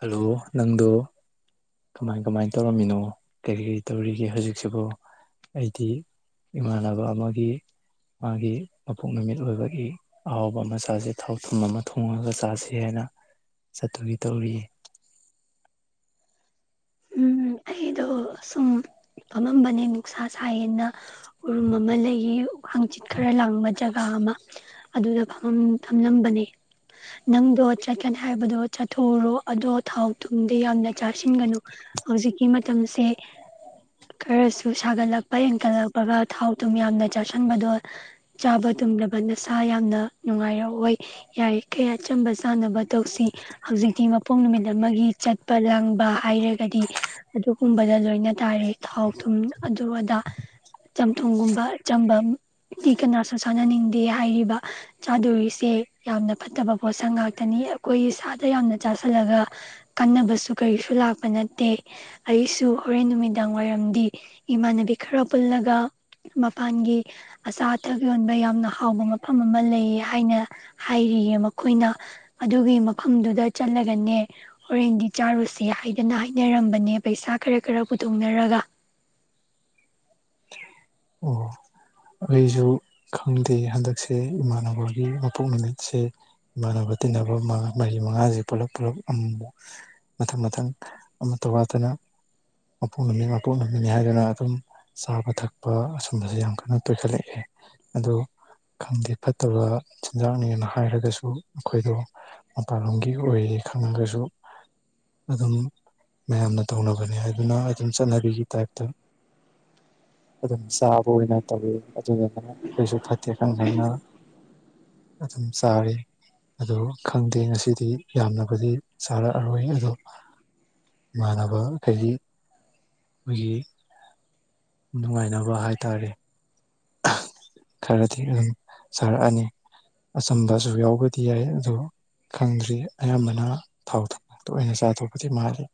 Hello ꯅꯪꯗꯣ ꯀꯃꯥꯏ ꯀꯃꯥꯏ ꯇꯧꯔꯝꯃꯤꯅꯣ ꯀꯔꯤ ꯀꯔꯤ ꯇꯧꯔꯤꯒꯦ ꯍꯧꯖꯤꯛꯁꯤꯕꯨ ꯑꯩꯗꯤ ꯏꯃꯥꯟꯅꯕ ꯑꯃꯒꯤ ꯃꯥꯒꯤ ꯃꯄꯣꯛ ꯅꯨꯃꯤꯠ ꯑꯣꯏꯕꯒꯤ꯫ ꯑꯍꯥꯎꯕ ꯑꯃ ꯆꯥꯁꯦ ꯊꯥꯎ ꯊꯨꯝ ꯑꯃ ꯊꯣꯡꯉꯒ ꯆꯥꯁꯤ ꯍꯥꯏꯅ ꯆꯠꯇꯒꯤ ꯇꯧꯔꯤꯌꯦ꯫ ꯎꯝ ꯑꯩꯗꯣ ꯁꯨꯝ ꯐꯝꯃꯝꯕꯅꯦ ꯅꯨꯡꯛꯁꯥ ꯁꯥꯏꯌꯦꯅ꯫ ꯎꯔꯨꯝ ꯑꯃ ꯂꯩꯌꯦ ꯍꯥꯡꯆꯤꯠ ꯈꯔ ꯂꯥꯡꯕ ꯖꯒꯥ ꯑꯃ ꯑꯗꯨꯗ ꯐꯪ ꯐꯝꯂꯝꯕꯅꯦ꯫ ꯅꯪꯗꯣ ꯆꯠꯀꯅꯤ ꯍꯥꯏꯕꯗꯣ ꯆꯠꯊꯎꯣꯔꯣ ꯑꯗꯣ ꯊꯥꯎ ꯇꯨꯝꯗ ꯌꯥꯝꯅ ꯆꯥꯁꯤꯟꯒꯅꯨ꯫ ꯍꯧꯖꯤꯛꯀꯤ ꯃꯇꯝꯁꯦ꯫ ꯈꯔꯁꯨ ꯁꯥꯒꯠꯂꯛꯄ ꯍꯦꯟꯒꯠꯂꯛꯄꯒ ꯊꯥꯎ ꯊꯨꯝ ꯌꯥꯝꯅ ꯆꯥꯁꯤꯟꯕꯗꯣ ꯆꯥꯕ ꯇꯨꯝꯗꯕ ꯅꯁꯥ ꯌꯥꯝꯅ ꯅꯨꯡꯉꯥꯏꯔꯛ ꯑꯣꯏ ꯌꯥꯏ ꯀꯌꯥ ꯆꯝꯕ ꯆꯥꯅꯕ ꯇꯧꯁꯤ꯫ ꯍꯧꯖꯤꯛꯇꯤ ꯃꯄꯣꯛ ꯅꯨꯃꯤꯠ ꯑꯃꯒꯤ ꯆꯠꯄ ꯂꯥꯡꯕ ꯍꯥꯏꯔꯦ꯫ ꯑꯗꯨꯒꯨꯝꯕꯗ ꯂꯣꯏꯅ ꯇꯥꯔꯦ ꯊꯥꯎ ꯊꯨꯝ ꯑꯗꯨ ꯑꯗꯥ ꯆꯝꯊꯣꯡꯒꯨꯝꯕ ꯆꯝꯕꯝꯗꯤ ꯀꯅꯥꯁꯨ ꯁꯥꯟꯅꯅꯤꯡꯗꯦ ꯍꯥꯏꯔꯤꯕ꯫ ꯆꯥꯗꯣꯔꯤꯁꯦ ꯌꯥꯝꯅ ꯐꯠꯇꯕ ꯄꯣꯠꯁꯛ ꯉꯥꯛꯇꯅꯤ ꯑꯩꯈꯣꯏ ꯏꯁꯥꯗ ꯌꯥꯝꯅ ꯆꯥꯥꯁꯜꯂꯒ ꯀꯟꯅꯕꯁꯨ ꯀꯔꯤꯁꯨ ꯂꯥꯛꯄ ꯅꯠꯇꯦ ꯑꯩꯁꯨ ꯍꯣꯔꯦꯟ ꯅꯨꯃꯤꯠ ꯅꯨꯗꯥꯡ ꯋꯥꯏꯔꯝꯗꯤ ꯏꯃꯥꯟꯅꯕꯤ ꯈꯔ ꯄꯨꯜꯂꯒ ꯃꯄꯥꯟꯒꯤ ꯑꯆꯥ ꯑꯊꯛ ꯌꯣꯟꯕ ꯌꯥꯝꯅ ꯍꯥꯎꯕ ꯃꯐꯝ ꯑꯃ ꯂꯩꯌꯦ ꯍꯥꯏꯅ ꯍꯥꯏꯔꯤꯌꯦ ꯃꯈꯣꯏꯅ ꯑꯗꯨꯒꯤ ꯃꯐꯝꯗꯨꯗ ꯆꯠꯂꯒꯅꯦ ꯍꯣꯔꯦꯟꯗꯤ ꯆꯥꯔꯨꯁꯤ ꯍꯥꯏꯗꯅ ꯍꯥꯏ ꯅꯔꯝꯕꯅꯦ ꯄꯩꯁꯥ ꯈꯔ ꯈꯔ ꯄꯨꯊꯣꯛꯅꯔꯒ ꯑꯣ ꯑꯩꯁꯨ ꯈꯪꯗꯦ ꯍꯟꯗꯛꯁꯦ ꯏꯃꯥꯟꯅꯕꯒꯤ ꯃꯄꯣꯛ ꯅꯨꯃꯤꯠꯁꯦ꯫ ꯏꯃꯥꯟꯅꯕ ꯇꯤꯟꯅꯕ ꯃꯔꯤ ꯃꯉꯥꯁꯦ ꯄꯨꯂꯞ ꯄꯨꯂꯞ ꯑꯃꯨꯛ ꯃꯨꯛ ꯃꯊꯪ ꯃꯊꯪ ꯑꯃꯠꯇ ꯋꯥꯗꯅ ꯃꯄꯣꯛ ꯅꯨꯃꯤ ꯃꯀꯣꯛ ꯅꯨꯝꯃꯤꯅꯤ ꯍꯥꯏꯗꯨꯅ ꯑꯗꯨꯝ ꯆꯥꯕ ꯊꯛꯄ ꯑꯁꯨꯝꯕꯁꯦ ꯌꯥꯝ ꯀꯟꯅ ꯇꯣꯏꯈꯠꯂꯛꯑꯦ ꯑꯗꯣ ꯈꯪꯗꯦ ꯐꯠꯇꯕ ꯆꯤꯟꯖꯥꯛꯅꯦꯅ ꯍꯥꯏꯔꯒꯁꯨ ꯑꯩꯈꯣꯏꯗꯣ ꯃꯄꯥꯟꯂꯣꯝꯒꯤ ꯑꯣꯏꯌꯦꯦ ꯈꯪꯉꯒꯁꯨ ꯑꯗꯨꯝ ꯃꯌꯥꯝꯅ ꯇꯧꯅꯕꯅꯦ ꯍꯥꯏꯗꯨꯅ ꯑꯩ ꯑꯗꯨꯝ ꯆꯠꯅꯕꯤꯒꯤ ꯇꯥꯏꯞꯇ ꯑꯗꯨꯝ ꯆꯥꯕ ꯑꯣꯏꯅ ꯇꯧꯋꯤ ꯑꯗꯨꯗꯨꯅ ꯑꯩꯈꯣꯏꯁꯨ ꯐꯠꯇꯦ ꯈꯪ ꯈꯪꯅ ꯑꯗꯨ ꯑꯗꯨꯝ ꯁꯥꯔꯦ ꯑ ꯈꯪꯗꯦ ꯉꯁꯤꯗꯤ ꯌꯥꯝꯂꯕꯗꯤ ꯆꯥꯔꯛꯑꯔꯣꯏ ꯑꯗꯣ ꯏꯃꯥꯟꯅꯕ ꯍꯥꯏꯗꯤ ꯑꯩꯈꯣꯏꯒꯤ ꯅꯨꯡꯉꯥꯏꯅꯕ ꯍꯥꯏꯇꯥꯔꯦ ꯈꯔꯗꯤ ꯑꯗꯨ ꯁꯥꯔꯛꯑꯅꯤ ꯑꯆꯝꯕꯁꯨ ꯌꯥꯎꯕꯗꯤ ꯌꯥꯏ ꯑꯣ ꯈꯪꯗ꯭ꯔꯤ ꯑꯌꯥꯝꯕꯅ ꯊꯥꯎ ꯊꯧꯕꯥꯛꯇ ꯑꯣꯏꯅ ꯆꯥꯊꯣꯛꯄꯗꯤ ꯃꯥꯜꯂꯤ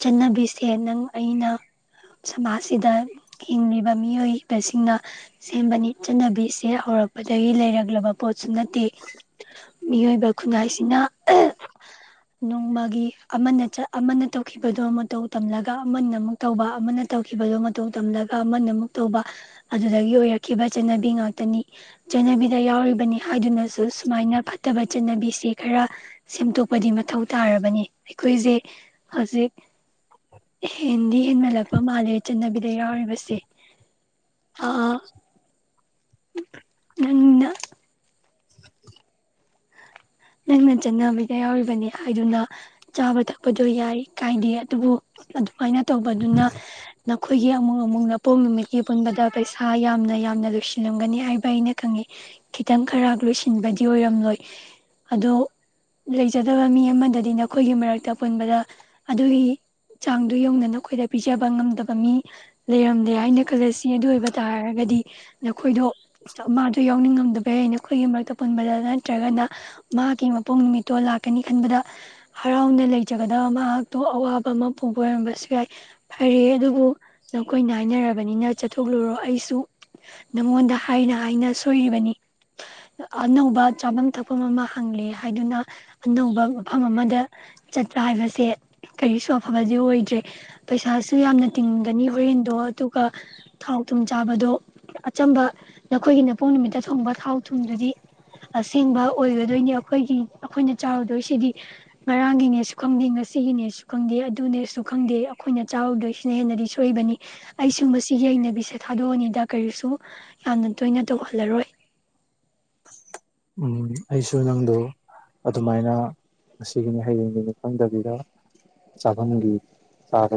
ꯆꯠꯅꯕꯤꯁꯦ ꯅꯪ ꯑꯩꯅ ꯁꯃꯥꯖꯁꯤꯗ ꯍꯤꯡꯂꯤꯕ ꯃꯤꯑꯣꯏꯕꯁꯤꯡꯅ ꯁꯦꯝꯕꯅꯤ ꯆꯠꯅꯕꯤꯁꯦ ꯍꯧꯔꯛꯄꯗꯒꯤ ꯂꯩꯔꯛꯂꯕ ꯄꯣꯠꯁꯨ ꯅꯠꯇꯦ ꯃꯤꯑꯣꯏꯕ ꯈꯨꯟꯅꯥꯏꯁꯤꯅ ꯅꯣꯡꯃꯒꯤ ꯑꯃꯅ ꯆꯠ ꯑꯃꯅ ꯇꯧꯈꯤꯕꯗꯣ ꯃꯇꯧ ꯇꯝꯂꯒ ꯑꯃꯅ ꯑꯃꯨꯛ ꯇꯧꯕ ꯑꯃꯅ ꯇꯧꯈꯤꯕꯗꯣ ꯃꯇꯧ ꯇꯝꯂꯒ ꯑꯃꯅ ꯑꯃꯨꯛ ꯇꯧꯕ ꯑꯗꯨꯗꯒꯤ ꯑꯣꯏꯔꯛꯈꯤꯕ ꯆꯠꯅꯕꯤ ꯉꯥꯛꯇꯅꯤ ꯆꯠꯅꯕꯤꯗ ꯌꯥꯎꯔꯤꯕꯅꯤ ꯍꯥꯏꯗꯨꯅ ꯑ ꯁꯨꯃꯥꯏꯅ ꯐꯠꯇꯕ ꯆꯠꯅꯕꯤꯁꯦ ꯈꯔ ꯁꯦꯝꯗꯣꯛꯄꯗꯤ ꯃꯊꯧ ꯇꯥꯔꯕꯅꯤ ꯑꯩꯈꯣꯏꯁꯦ ꯍꯧꯖꯤꯛ ꯍꯦꯟꯗꯤ ꯍꯦꯟꯃꯠꯂꯛꯄ ꯃꯥꯂꯦꯝ ꯆꯠꯅꯕꯤꯗ ꯌꯥꯎꯔꯤꯕꯁꯦ [inaudible] ꯎꯅ ꯅꯪꯅ ꯆꯠꯕꯤꯗ ꯌꯥꯎꯔꯤꯕꯅꯤ ꯍꯥꯏꯗꯨꯅ ꯆꯥꯕ ꯊꯛꯄꯗꯣ ꯌꯥꯏ ꯀꯥꯏꯗꯦ ꯑꯗꯨꯕꯨ ꯁꯨꯃꯥꯏꯅ ꯇꯧꯕꯗꯨꯅ ꯅꯈꯣꯏꯒꯤ ꯑꯃꯨꯛ ꯑꯃꯨꯛꯅ ꯑꯄꯣꯛ ꯅꯨꯃꯤꯠꯀꯤ ꯄꯨꯟꯕꯗ ꯄꯩꯁꯥ ꯌꯥꯝꯅ ꯌꯥꯝꯅ ꯂꯣꯏꯁꯤꯜꯂꯝꯒꯅꯤ ꯍꯥꯏꯕ ꯑꯩꯅ ꯈꯪꯉꯤ ꯈꯤꯇꯪ ꯈꯔ ꯂꯣꯏꯁꯤꯟꯕꯗꯤ ꯑꯣꯏꯔꯝꯂꯣꯏ ꯑꯗꯣ ꯂꯩꯖꯗꯕ ꯃꯤ ꯑꯃꯗꯗꯤ ꯅꯈꯣꯏꯒꯤ ꯃꯔꯛꯇ ꯄꯨꯟꯕꯗ ꯑꯗꯨꯒꯤ ꯆꯥꯡꯗꯨ ꯌꯧꯗꯅ ꯑꯩꯈꯣꯏꯗ ꯄꯤꯖꯕ ꯉꯝꯗꯕ ꯃꯤ ꯂꯩꯔꯝꯂꯦ ꯍꯥꯏꯅ ꯈꯜꯂꯁꯤ ꯑꯗꯨ ꯑꯣꯏꯕ ꯇꯥꯔꯒꯗꯤ ꯅꯈꯣꯏꯗꯣ ꯃꯥꯁꯨꯣ ꯌꯥꯎꯅꯤꯡꯉꯝꯗꯕꯩ ꯑꯩꯅ ꯑꯩꯈꯣꯏꯒꯤ ꯃꯔꯛꯇ ꯄꯨꯟꯕꯗ ꯅꯠꯇ꯭ꯔꯒꯅ ꯃꯍꯥꯛꯀꯤ ꯃꯄꯨꯡ ꯅꯨꯃꯤꯠꯇꯣ ꯂꯥꯛꯀꯅꯤ ꯈꯟꯕꯗ ꯍꯔꯥꯎꯅ ꯂꯩꯖꯒꯗꯕ ꯃꯍꯥꯛꯇꯨ ꯑꯋꯥꯕ ꯑꯃ ꯄꯨꯕ ꯑꯣꯏꯔꯝꯕꯁꯨ ꯌꯥꯏ ꯐꯔꯦ ꯑꯗꯨꯕꯨ ꯅꯈꯣꯏꯅ ꯍꯥꯏꯅꯔꯕꯅꯤꯅ ꯆꯠꯊꯣꯛꯂꯨꯔꯣ ꯑꯩꯁꯨ ꯅꯉꯣꯟꯗ ꯍꯥꯏꯅ ꯍꯥꯏꯅ ꯁꯣꯏꯔꯤꯕꯅꯤ ꯑꯅꯧꯕ ꯆꯥꯐꯝ ꯊꯛꯐꯝ ꯑꯃ ꯐꯪꯂꯦ ꯍꯥꯏꯗꯨꯅ ꯑꯅꯧꯕ ꯃꯐꯝ ꯑꯃꯗ ꯆꯠꯄ ꯍꯥꯏꯕꯁꯦ ꯀꯔꯤꯁꯨ ꯑꯐꯕꯗꯤ ꯑꯣꯏꯗ꯭ꯔꯦ ꯄꯩꯁꯥꯁꯨ ꯌꯥꯝꯅ ꯇꯤꯡꯒꯅꯤ ꯍꯣꯔꯦꯟꯗꯣ ꯑꯗꯨꯒ ꯊꯥꯎ ꯊꯨꯝ ꯆꯥꯕꯗꯣ ꯑꯆꯝꯕ ꯅꯈꯣꯏꯒꯤ ꯅꯄꯣꯛ ꯅꯨꯃꯤꯠꯇ ꯊꯣꯡꯕ ꯊꯥꯎ ꯊꯨꯝꯗꯨꯗꯤ ꯑꯁꯦꯡꯕ ꯑꯣꯏꯒꯗꯣꯏꯅꯦ ꯑꯩꯈꯣꯏꯒꯤ ꯑꯩꯈꯣꯏꯅ ꯆꯥꯎꯔꯨꯗꯣꯏꯁꯤꯗꯤ ꯉꯔꯥꯡꯒꯤꯅꯦꯁꯨ ꯈꯪꯗꯦ ꯉꯁꯤꯒꯤꯅꯦꯁꯨ ꯈꯪꯗꯦ ꯑꯗꯨꯅꯦꯁꯨ ꯈꯪꯗꯦ ꯑꯩꯈꯣꯏꯅ ꯆꯥꯎꯔꯧꯗꯣꯏ ꯁꯤꯅ ꯍꯦꯟꯅꯗꯤ ꯁꯣꯏꯏꯕꯅꯤ ꯑꯩ ꯁꯨꯝꯕꯁꯤꯒꯤ ꯍꯩꯅꯕꯤꯁꯦ ꯊꯥꯗꯣꯛꯑꯅꯤꯗ ꯀꯔꯤꯁꯨ ꯌꯥꯝꯅ ꯇꯣꯏꯅ ꯇꯧꯍꯜꯂꯔꯣꯏ ꯎꯝ ꯑꯩꯁꯨ ꯅꯪꯗꯨ ꯑꯗꯨꯃꯥꯏꯅ ꯃꯁꯤꯒꯤꯅꯤ ꯍꯌꯦꯡꯒꯤꯅꯤ ꯈꯪꯗꯕꯤꯗ ꯆꯕꯒꯤ ꯆꯔꯄꯥꯦ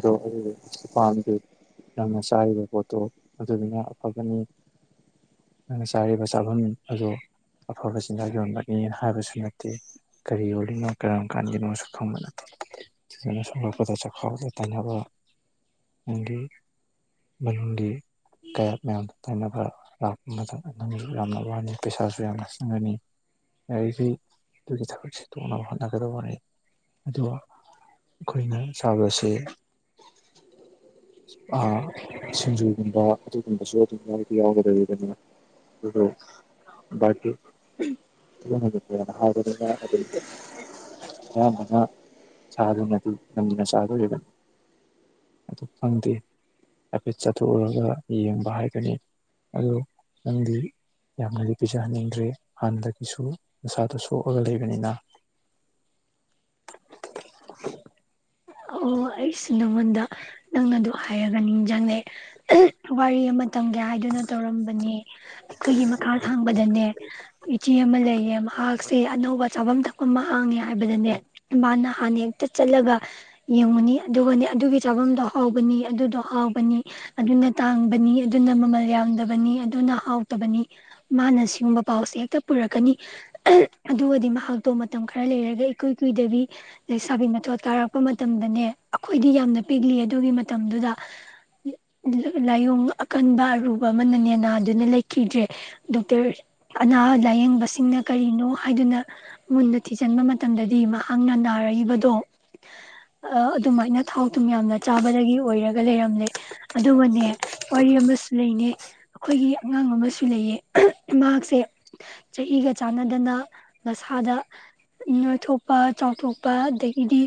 ꯌꯥꯝꯅ ꯆꯥꯏꯔꯤꯕ ꯄꯣꯠꯇꯣ ꯑꯗꯨꯗꯨꯅ ꯑꯐꯕꯅꯤ ꯑꯩꯅ ꯆꯥꯔꯤꯕ ꯆꯥꯐꯝ ꯑꯗ ꯑꯐꯕ ꯆꯤꯟꯖꯥꯛ ꯌꯣꯟꯕꯅꯦꯅ ꯍꯥꯏꯕꯁꯨ ꯅꯠꯇꯦ ꯀꯔꯤ ꯑꯣꯏꯜꯂꯤꯅꯣ ꯀꯔꯝ ꯀꯥꯟꯒꯤꯅꯣꯁꯨ ꯈꯪꯕꯅ ꯅ ꯁꯄꯗ ꯆꯆꯥ ꯈꯦ ꯇꯅꯅꯕ ꯍꯤꯟꯗꯤ ꯍꯤꯟꯗꯤ ꯀꯌꯥ ꯃꯌꯥꯝꯗ ꯇꯥꯏꯅꯕ ꯂꯥꯛꯄ ꯃꯇꯝꯗ ꯅꯪꯁꯨ ꯌꯥꯝꯅ ꯋꯥꯅꯤ ꯄꯩꯁꯥꯁꯨ ꯌꯥꯝꯅ ꯆꯪꯉꯅꯤ ꯌꯥꯔꯤꯈꯩ ꯑꯗꯨꯒꯤ ꯊꯕꯛꯁꯦ ꯇꯣꯛꯅꯕ ꯍꯣꯠꯅꯒꯗꯕꯅꯤ ꯑꯗꯨꯒ ꯑꯩꯈꯣꯏꯅ ꯆꯕꯁꯦ ꯁꯤꯡꯖꯨꯒꯨꯝꯕ ꯑꯗꯨꯒꯨꯝꯕꯁꯨ ꯑꯗꯨꯝ ꯌꯥꯎꯗꯤ ꯌꯥꯎꯒꯗꯧꯔꯤꯕ ꯑꯗꯨꯅ ꯎꯣ [inaudible] ꯑꯌꯥꯝꯕꯅ ꯁꯥꯗꯅꯠꯇ ꯂꯝꯗꯨꯅ ꯁꯥꯗꯣꯏꯔꯤ ꯑꯗꯨ ꯑꯗꯨ ꯐꯪꯗꯦ ꯍꯥꯏꯐꯦꯠ ꯆꯠꯊꯣꯛꯎꯔꯒ ꯌꯦꯡꯕ ꯍꯥꯏꯒꯅꯤ ꯑꯣ ꯅꯪꯗꯤ ꯌꯥꯝꯅꯗꯤ ꯄꯤꯖꯍꯟꯅꯤꯡꯗ꯭ꯔꯦ ꯍꯥꯟꯅꯗꯒꯤꯁꯨ ꯅꯁꯥꯗꯣ ꯁꯣꯛꯑꯒ ꯂꯩꯕꯅꯤꯅ ꯑꯣ ꯑꯩꯁꯨ ꯅꯪꯉꯣꯟꯗ ꯅꯪꯅꯗꯣ ꯍꯥꯏꯔꯒ ꯅꯤꯡꯁꯤꯡꯪꯉ ꯋꯥꯔꯤ ꯑꯃꯇꯝꯒꯦ ꯍꯥꯏꯗꯨꯅ ꯇꯧꯔꯝꯕꯅꯤ ꯑꯩꯈꯣꯏꯒꯤ ꯃꯈꯥ ꯊꯥꯡꯕꯗꯅꯦ ꯏꯆꯦ ꯑꯃ ꯂꯩꯌꯦ ꯃꯍꯥꯛꯁꯦ ꯑꯅꯧꯕ ꯆꯥꯐꯝ ꯊ ꯑꯃ ꯍꯥꯡꯉꯦ ꯍꯥꯏꯕꯗꯅꯦ ꯃꯥꯅ ꯍꯥꯟꯅ ꯍꯦꯛꯇ ꯆꯠꯂꯒ ꯌꯦꯡꯉꯨꯅꯤ ꯑꯗꯨꯒꯅꯦ ꯑꯗꯨꯒꯤ ꯆꯥꯐꯝꯗꯣ ꯍꯥꯎꯕꯅꯤ ꯑꯗꯨꯗꯣ ꯍꯥꯎꯕꯅꯤ ꯑꯗꯨꯅ ꯇꯥꯡꯕꯅꯤ ꯑꯗꯨꯅ ꯃꯃꯜ ꯌꯥꯝꯗꯕꯅꯤ ꯑꯗꯨꯅ ꯍꯥꯎꯇꯕꯅꯤ ꯃꯥꯅ ꯁꯤꯒꯨꯝꯕ ꯄꯥꯎꯁꯦ ꯍꯦꯛꯇ ꯄꯨꯔꯛꯀꯅꯤ ꯑꯗꯨꯒꯗꯤ ꯃꯍꯥꯛꯇꯣ ꯃꯇꯝ ꯈꯔ ꯂꯩꯔꯒ ꯏꯀꯨꯏ ꯀꯨꯏꯗꯕꯤ ꯂꯩꯁꯥꯕꯤ ꯃꯊꯣꯠ ꯀꯥꯔꯛꯄ ꯃꯇꯝꯗꯅꯦ ꯑꯩꯈꯣꯏꯗꯤ ꯌꯥꯝꯅ ꯄꯤꯛꯂꯤ ꯑꯗꯨꯒꯤ ꯃꯇꯝꯗꯨꯗ ꯂꯥꯏꯑꯣꯡ ꯑꯀꯟꯕ ꯑꯔꯨꯕ ꯑꯃꯅ ꯅꯦꯅꯥꯗꯨꯅ ꯂꯩꯈꯤꯗ꯭ꯔꯦ ꯗꯣꯛꯇꯔ ꯑꯅꯥ ꯂꯥꯏꯌꯦꯡꯕꯁꯤꯡꯅ ꯀꯔꯤꯅꯣ ꯍꯥꯏꯗꯨꯅ ꯃꯨꯟꯗ ꯊꯤꯖꯤꯟꯕ ꯃꯇꯝ ꯃꯇꯝꯗꯗꯤ ꯃꯍꯥꯛꯅ ꯅꯥꯔꯛꯏꯕꯗꯣ ꯑ ꯑꯗꯨꯃꯥꯏꯅ ꯊꯥꯎ ꯑꯗꯨꯝ ꯌꯥꯝꯅ ꯆꯥꯕꯗꯒꯤ ꯑꯣꯏꯔꯒ ꯂꯩꯔꯝꯂꯦ ꯑꯗꯨꯕꯨꯅꯦ ꯋꯥꯔꯤ ꯑꯃ ꯂꯩꯅꯦ ꯑꯩꯈꯣꯏꯒꯤ ꯑꯉꯥꯡ ꯑꯃꯁꯨ ꯂꯩꯌꯦ ꯃꯍꯥꯛꯁꯦ ꯆꯍꯤꯒ ꯆꯥꯟꯅꯗꯅ ꯃꯁꯥꯗ ꯅꯣꯏꯊꯣꯛꯄ ꯆꯥꯎꯊꯣꯛꯄ ꯑꯗꯒꯤꯗꯤ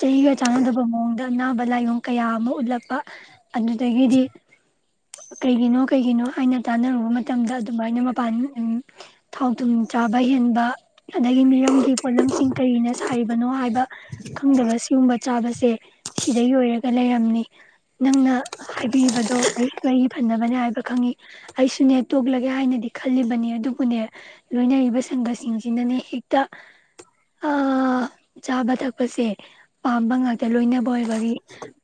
ꯆꯩꯒ ꯆꯥꯟꯅꯗꯕ ꯃꯑꯣꯡꯗ ꯅꯥꯕ ꯂꯥꯏꯌꯡ ꯀꯌꯥ ꯑꯃ ꯎꯠꯂꯛꯄ ꯑꯗꯨꯗꯒꯤꯗꯤ ꯀꯔꯤꯒꯤꯅꯣ ꯀꯩꯒꯤꯅꯣ ꯍꯥꯏꯅ ꯇꯥꯅꯔꯨꯕ ꯃꯇꯝꯗ ꯑꯗꯨꯃꯥꯏꯅ ꯃꯄꯥꯟ ꯊꯥꯎ ꯊꯨꯝ ꯆꯥꯕ ꯍꯦꯟꯕ ꯑꯗꯒꯤ ꯃꯤꯌꯝꯒꯤ ꯄꯣꯠꯂꯝꯁꯤꯡ ꯀꯔꯤꯅ ꯁꯥꯔꯤꯕꯅꯣ ꯍꯥꯏꯕ ꯈꯪꯗꯕ ꯁꯤꯒꯨꯝꯕ ꯆꯥꯕꯁꯦ ꯁꯤꯗ ꯌꯣꯏꯔꯒ ꯂꯩꯔꯝꯅꯤ ꯅꯪꯅ ꯍꯥꯏꯕꯤꯕꯗꯣ ꯑꯩꯁꯨ ꯑꯩꯒꯤ ꯐꯅꯕꯅꯦ ꯍꯥꯏꯕ ꯈꯪꯉꯤ ꯑꯩꯁꯨꯅꯦ ꯇꯣꯛꯂꯒꯦ ꯍꯥꯏꯅꯗꯤ ꯈꯜꯂꯤꯕꯅꯤ ꯑꯗꯨꯕꯨꯅꯦ ꯂꯣꯏꯅꯔꯤꯕ ꯁꯟꯒꯁꯤꯡꯁꯤꯅꯅꯦ ꯍꯦꯛꯇ ꯆꯥꯕ ꯊꯛꯄ ꯄꯁꯦ ꯄꯥꯝꯕ ꯉꯥꯛꯇ ꯂꯣꯏꯅꯕ ꯑꯣꯏꯕꯒꯤ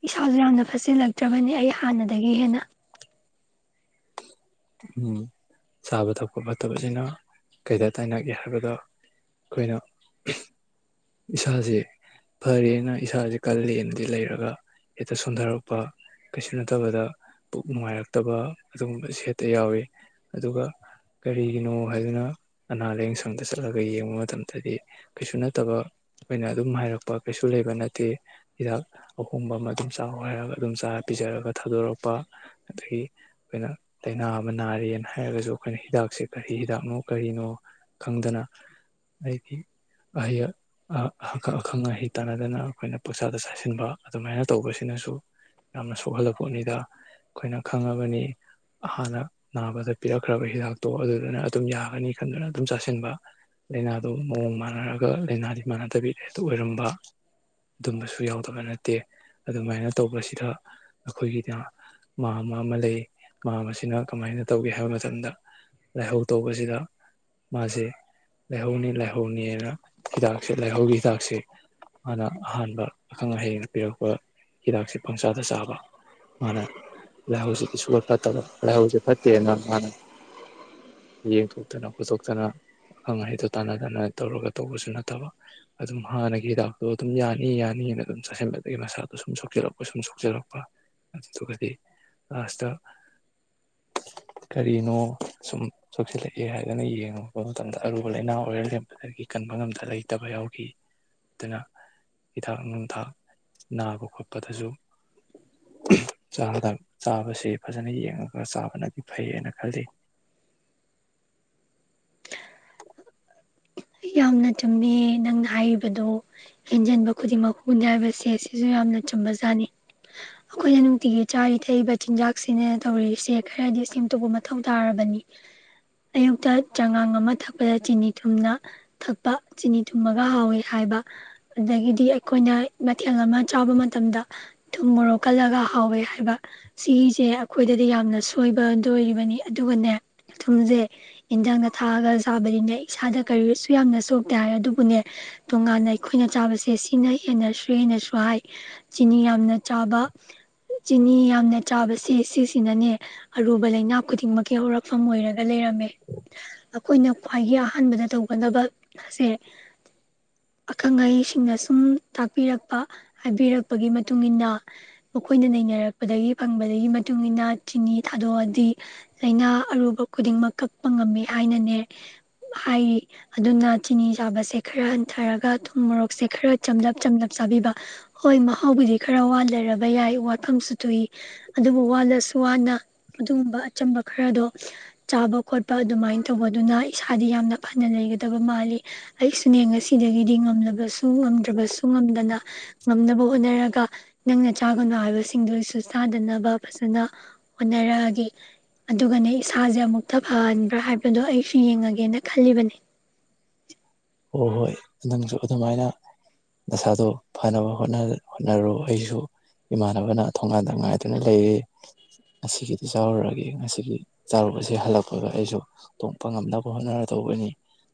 ꯏꯁꯥꯁꯨ ꯌꯥꯝꯅ ꯐꯆꯜꯂꯛꯇ꯭ꯔꯕꯅꯤ ꯑꯩ ꯍꯥꯟꯅꯗꯒꯤ ꯍꯦꯟꯅ ꯆꯥꯕ ꯊꯛꯄ ꯐꯠꯇꯕꯁꯤꯅ ꯀꯩꯗ ꯇꯥꯏꯅꯒꯦ ꯍꯥꯏꯕꯗ ꯑꯩꯈꯣꯏꯅ ꯏꯁꯥꯁꯦ ꯐꯔꯦꯅ ꯏꯁꯥꯁꯦ ꯀꯜꯂꯦꯅꯗꯤ ꯂꯩꯔꯒ ꯍꯦꯛꯇ ꯁꯣꯟꯊꯔꯛꯄ ꯀꯩꯁꯨ ꯅꯠꯇꯕꯗ ꯄꯨꯛ ꯅꯨꯡꯉꯥꯏꯔꯛꯇꯕ ꯑꯗꯨꯒꯨꯝꯕ ꯁꯦꯠꯇ ꯌꯥꯎꯏꯤ ꯑꯗꯨꯒ ꯀꯔꯤꯒꯤꯅꯣ ꯍꯥꯏꯗꯨꯅ ꯑꯅꯥ ꯂꯥꯏꯌꯦꯡ ꯁꯪꯗ ꯆꯠꯂꯒ ꯌꯦꯡꯕ ꯃꯇꯝꯗꯗꯤ ꯀꯩꯁꯨ ꯅꯠꯇꯕ ꯑꯣꯏꯅ ꯑꯗꯨꯝ ꯍꯥꯏꯔꯛꯄ ꯀꯩꯁꯨ ꯂꯩꯕ ꯅꯠꯇꯦ ꯍꯤꯗꯥꯛ ꯑꯍꯣꯡꯕ ꯑꯃ ꯑꯗꯨꯝ ꯆꯥ ꯍꯔꯒ ꯑꯗꯨꯝ ꯆꯥꯔ ꯄꯤꯖꯔꯒ ꯊꯥꯗꯣꯔꯛꯄ ꯑꯗꯒꯤ ꯑꯩꯈꯣꯏꯅ ꯇꯥꯏꯅꯥ ꯑꯃ ꯅꯥꯔꯦꯅ ꯍꯥꯏꯔꯒꯁꯨ ꯑꯩꯈꯣꯏꯅ ꯍꯤꯗꯥꯛꯁꯦ ꯀꯔꯤ ꯍꯤꯗꯥꯛꯅꯣ ꯀꯔꯤꯅꯣ ꯈꯪꯗꯅ ꯑꯩꯗꯤ ꯑꯍꯌꯥ ꯑꯀꯛ ꯑꯈꯪ ꯑꯍꯩ ꯇꯥꯟꯅꯗꯅ ꯑꯩꯈꯣꯏꯅ ꯄꯣꯠꯁꯥꯗ ꯆꯥꯁꯤꯟꯕ ꯑꯗꯨꯃꯥꯏꯅ ꯇꯧꯕꯁꯤꯅꯁꯨ ꯌꯥꯝꯅ ꯁꯣꯛꯍꯜꯂꯄꯣꯠꯅꯤꯗ ꯑꯩꯈꯣꯏꯅ ꯈꯪꯉꯕꯅꯤ ꯍꯥꯟꯅ ꯅꯥꯕꯗ ꯄꯤꯔꯛꯈ꯭ꯔꯕ ꯍꯤꯗꯥꯛꯇꯣ ꯑꯗꯨꯗꯨꯅ ꯑꯗꯨꯝ ꯌꯥꯒꯅꯤ ꯈꯟꯗꯨꯅ ꯑꯗꯨꯝ ꯆꯥꯁꯤꯟꯕ ꯂꯥꯏꯅꯥꯗꯨ ꯃꯑꯣꯡ ꯃꯥꯟꯅꯔꯒ ꯂꯥꯏꯅꯥꯗꯤ ꯃꯥꯟꯅꯗꯕꯤ ꯍꯦꯛꯇꯥ ꯑꯣꯏꯔꯝꯕ ꯑꯗꯨꯝꯕꯁꯨ ꯌꯥꯎꯗꯕ ꯅꯠꯇꯦ ꯑꯗꯨꯃꯥꯏꯅ ꯇꯧꯕꯁꯤꯗ ꯑꯩꯈꯣꯏꯒꯤꯗ ꯃꯃꯥ ꯑꯃ ꯂꯩ ꯃꯃꯥ ꯑꯁꯤꯅ ꯀꯃꯥꯏꯅ ꯇꯧꯒꯦ ꯍꯥꯏꯕ ꯃꯇꯝꯗ ꯂꯥꯏꯍꯧ ꯇꯧꯕꯁꯤꯗ ꯃꯥꯁꯦ ꯂꯥꯏꯍꯧꯅꯤ ꯂꯥꯏꯍꯧꯅꯤꯅ ꯍꯤꯗꯥꯛ ꯁꯤ ꯂꯥꯏꯍꯧꯒꯤ ꯍꯤꯗꯥꯛꯁꯦ ꯃꯥꯅ ꯑꯍꯥꯟꯕ ꯑꯈꯪ ꯑꯍꯩ ꯄꯤꯔꯛꯄ ꯍꯤꯗꯥꯛꯁꯦ ꯄꯪꯁꯥꯗ ꯆꯥꯕ ꯃꯥꯅ ꯂꯥꯏꯍꯧꯁꯤꯗꯤ ꯁꯨꯡꯐꯥꯠ ꯐꯠꯇꯕ ꯂꯥꯏꯍꯧꯁꯤ ꯐꯠꯇꯦꯅ ꯃꯥꯅ ꯌꯦꯡꯊꯣꯛꯇꯅ ꯈꯣꯠꯇꯣꯛꯇꯅ ꯑꯈꯪ ꯑꯍꯩꯗꯨ ꯇꯥꯟꯅꯗꯅ ꯇꯧꯔꯒ ꯇꯧꯕꯁꯨ ꯅꯠꯇꯕ ꯑꯗꯨꯝ ꯍꯥꯟꯅꯒꯤ ꯍꯤꯗꯥꯛꯇꯣ ꯑꯗꯨꯝ ꯌꯥꯅꯤ ꯌꯥꯅꯤꯑꯅ ꯑꯗꯨꯝ ꯆꯥꯁꯤꯟꯕꯗꯒꯤ ꯃꯁꯥꯗꯣ ꯁꯨꯝ ꯁꯣꯛꯆꯜꯂꯛꯄ ꯁꯨꯝ ꯁꯣꯛꯆꯤꯜꯂꯛꯄ ꯑꯗꯨꯗꯨꯒꯗꯤ ꯂꯥꯁꯇ ꯀꯔꯤꯅꯣ ꯁꯨꯝ ꯁꯣꯛꯆꯤꯜꯂꯛꯑꯦ ꯍꯥꯏꯗꯨꯅ ꯌꯦꯡꯉꯨꯕ ꯃꯇꯝꯗ ꯑꯔꯨꯕ ꯂꯥꯏꯅꯥ ꯑꯣꯏꯔ ꯂꯦꯝꯕꯗꯒꯤ ꯀꯟꯕ ꯉꯝꯗ ꯂꯩ ꯇꯕ ꯌꯥꯎꯈꯤ ꯑꯗꯨꯅ ꯍꯤꯗꯥꯛ ꯅꯨꯡꯊꯥꯛ ꯅꯥꯕ ꯈꯣꯠꯄꯗꯁꯨ ꯆꯥꯗꯥ ꯆꯥꯕꯁꯦ ꯐꯖꯅ ꯌꯦꯡꯉꯒ ꯆꯥꯕꯅꯗꯤ ꯐꯩꯑꯅ ꯈꯜꯂꯤ ꯌꯥꯝꯅ ꯆꯨꯝꯃꯦ ꯅꯪꯅ ꯍꯥꯏꯔꯤꯕꯗꫭ ꯍꯦꯟꯖꯟꯕ ꯈꯨꯗꯤꯡꯃꯛ ꯍꯨꯅꯤ ꯍꯥꯏꯕꯁꯦ ꯑꯁꯤꯁꯨ ꯌꯥꯝꯅ ꯆꯨꯝꯕꯖꯥꯠꯅꯤ ꯑꯩꯈꯣꯏꯅ ꯅꯨꯡꯇꯤꯒꯤ ꯆꯥꯔꯤ ꯊꯛꯏꯕ ꯆꯤꯟꯖꯥꯛꯁꯤꯅ ꯇꯧꯔꯤꯁꯦ ꯈꯔꯗꯤ ꯁꯦꯝꯗꫭꯛꯄ ꯃ ꯃꯊꯧ ꯇꯥꯔꯕꯅꯤ ꯑꯌꯨꯛꯇ ꯆꯉꯥꯡ ꯑꯃ ꯊꯛꯄꯗ ꯆꯤꯅꯤ ꯊꯨꯝꯅ ꯊꯛꯄ ꯆꯤꯅꯤ ꯊꯨꯝꯃꯒ ꯍꯥꯎꯑꯦ ꯍꯥꯏꯕ ꯑꯗꯒꯤꯗꯤ ꯑꯩꯈꯣꯏꯅ ꯃꯊꯦꯜ ꯑꯃ ꯆꯥꯕ ꯃꯇꯝꯗ ꯊꯨꯝ ꯃꯣꯔꯣꯛ ꯀꯜꯂꯒ ꯍꯥꯎꯋꯦ ꯍꯥꯏꯕ ꯁꯤꯒꯤꯁꯦ ꯑꯩꯈꯣꯏꯗꯗꯤ ꯌꯥꯝꯅ ꯁꯣꯏꯕꯗꯣ ꯑꫭꯏꯔꯤꯕꯅꯤ ꯑꯗꯨꯒꯅꯦ ꯊꯨꯝꯁꯦ ꯏꯟꯖꯥꯡꯗ ꯊꯥꯛꯑꯒ ꯆꯥꯕꯅꯤꯅꯦ ꯏꯁꯥꯗ ꯀꯔꯤꯁꯨ ꯌꯥꯝꯅ ꯁꯣꯛꯇꯦ ꯍꯥꯏꯌꯦ ꯑꯗꯨꯕꯨꯅꯦ ꯇꯣꯉꯥꯟꯅ ꯑꯩꯈꯣꯏꯅ ꯆꯥꯕꯁꯦ ꯁꯤꯅ ꯍꯦꯟꯅꯁꯨ ꯍꯦꯟꯅꯁꯨ ꯍꯥꯏ ꯆꯤꯅꯤ ꯌꯥꯝꯅ ꯆꯥꯕ ꯆꯤꯅꯤ ꯌꯥꯝꯅ ꯆꯥꯕꯁꯦ ꯁꯤꯁꯤꯅꯅꯦ ꯑꯔꯨꯕ ꯂꯩꯅꯥ ꯈꯨꯗꯤꯡꯃꯛꯀꯤ ꯍꯧꯔꯛꯐꯝ ꯑꯣꯏꯔꯒ ꯂꯩꯔꯝꯃꯦ ꯑꯩꯈꯣꯏꯅ ꯈ꯭ꯋꯥꯏꯒꯤ ꯑꯍꯥꯟꯕꯗ ꯇꯧꯒꯗꯕ ꯑꯁꯦ ꯑꯈꯪ ꯑꯍꯩꯁꯤꯡꯅ ꯁꯨꯝ ꯇꯥꯛꯄꯤꯔꯛꯄ ꯍꯥꯏꯕꯤꯔꯛꯄꯒꯤ ꯃꯇꯨꯡ ꯏꯟꯅ ꯃꯈꯣꯏꯅ ꯅꯩꯅꯔꯛꯄꯗꯒꯤ ꯐꯪꯕꯗꯒꯤ ꯃꯇꯨꯡ ꯏꯟꯅ ꯆꯤꯅꯤ ꯊꯥꯗꯣꯛꯑꯗꯤ ꯂꯥꯏꯅꯥ ꯑꯔꯨꯕ ꯈꯨꯗꯤꯡꯃꯛ ꯀꯛꯄ ꯉꯝꯃꯤ ꯍꯥꯏꯅꯅꯦ ꯍꯥꯏꯔꯤ ꯑꯗꯨꯅ ꯆꯤꯅꯤ ꯆꯥꯕꯁꯦ ꯈꯔ ꯍꯟꯊꯔꯒ ꯊꯨꯝ ꯃꯣꯔꯣꯛꯁꯦ ꯈꯔ ꯆꯝꯂꯞ ꯆꯝꯂꯞ ꯆꯥꯕꯤꯕ ꯍꯣꯏ ꯃꯍꯥꯎꯕꯨꯗꯤ ꯈꯔ ꯋꯥ ꯂꯩꯔꯕ ꯌꯥꯏ ꯋꯥꯐꯝꯁꯨ ꯊꯣꯛꯏ ꯑꯗꯨꯕꯨ ꯋꯥꯜꯂꯁꯨ ꯋꯥꯅ ꯑꯗꯨꯒꯨꯝꯕ ꯑꯆꯝꯕ ꯈꯔꯗꯣ ꯆꯥꯕ ꯈꯣꯠꯄ ꯑꯗꯨꯃꯥꯏꯅ ꯇꯧꯕꯗꯨꯅ ꯏꯁꯥꯗꯤ ꯌꯥꯝꯅ ꯐꯥꯠ ꯅ ꯂꯩꯒꯗꯕ ꯃꯥꯜꯂꯤ ꯑꯩꯁꯨꯅꯦ ꯉꯁꯤꯗꯒꯤꯗꯤ ꯉꯝꯂꯕꯁꯨ ꯉꯝꯗ꯭ꯔꯕꯁꯨ ꯉꯝꯗꯅ ꯉꯝꯅꯕ ꯍꯣꯠꯅꯔꯒ ꯅꯪꯅ ꯆꯥꯒꯅꯣ ꯍꯥꯏꯕꯁꯤꯡꯗꯨꯁꯨ ꯁꯥꯗꯅꯕ ꯐꯖꯅ ꯍꯣꯠꯅꯔꯛꯑꯒ ꯑꯗꯨꯒꯅꯦ ꯏꯁꯥꯁꯦ ꯑꯃꯨꯛꯇ ꯐꯍꯟꯕ꯭ꯔꯥ ꯍꯥꯏꯕꯗꯣ ꯑꯩꯁꯨ ꯌꯦꯡꯂꯡꯉꯒꯦꯅ ꯈꯜꯂꯤꯕꯅꯤ ꯍꯣꯏ ꯍꯣꯏ ꯅꯪꯁꯨ ꯑꯗꯨꯃꯥꯏꯅ ꯅꯁꯥꯗꫭ ꯐꯅꯕ ꯍꯣꯠꯅ ꯍꯣꯠꯅꯔꯨ ꯑꯩꯁꯨ ꯏꯃꯥꯟꯅꯕꯅ ꯊꯣꯒꯥꯟꯗ ꯉꯥꯏꯗꯨꯅ ꯂꯩꯔꯦ ꯉꯁꯤꯒꯤꯗꯤ ꯆꯥꯎꯔꯨꯔꯒꯦ ꯉꯁꯤꯒꯤ ꯆꯥꯎꯔꯨꯁꯦ ꯍꯜꯂꯛꯄꯒ ꯑꯩꯁꯨ ꯇꯣꯛꯄ ꯉꯝꯅꯕ ꯍꯣꯠꯅꯔꯗꯧꯕꯅꯤ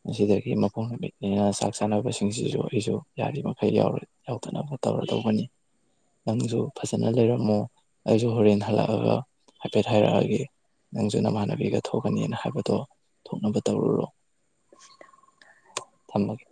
ꯃꯁꯤꯗꯒꯤ ꯃꯄꫭꯡ ꯅꯨꯃꯤꯠꯅꯤꯅ ꯆꯥꯛ ꯆꯥꯅꯕꯁꯤꯡꯁꯤꯁꯨ ꯑꯩꯁꯨ ꯌꯥꯔꯤ ꯃꯈꯩ ꯌꯥꯎꯔꫭꯏ ꯌꯥꯎꯗꯅꯕ ꯇꯧꯔꯗꯧꯕꯅꯤ ꯅꯪꯁꯨ ꯐꯖꯅ ꯂꯩꯔꯝꯃꯣ ꯑꯩꯁꯨ ꯍꯣꯔꯦꯟ ꯍꯜꯂꯛꯑꯒ ꯍꯥꯏꯐꯦꯠ ꯍꯥꯏꯔꯛꯑꯒꯦ ꯅꯪꯁꯨ ꯅꯃꯥꯟꯅꯕꯤꯒ ꯊꯣꯛꯀꯅꯤꯅ ꯍꯥꯏꯕꯗꯣ ꯊꯣꯛꯅꯕ ꯇꯧꯔꯨꯔꯣ ꯊꯝꯃꯥꯒꯦ